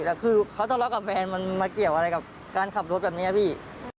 แต่คือเขาทะเลาะกับแฟนมันมาเกี่ยวอะไรกับการขับรถแบบนี้พี่